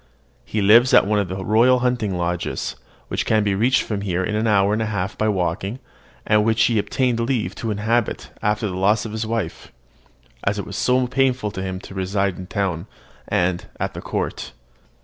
He lives at one of the royal hunting lodges, which can be reached from here in an hour and a half by walking, and which he obtained leave to inhabit after the loss of his wife, as it is so painful to him to reside in town and at the court.